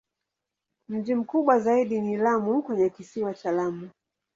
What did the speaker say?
Mji mkubwa zaidi ni Lamu kwenye Kisiwa cha Lamu.